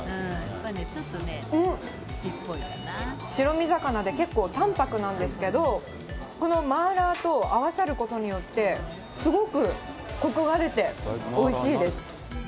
白身魚で結構淡泊なんですけど、このマーラーと合わさることによって、すごくこくが出て、おいしいです。